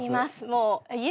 もう。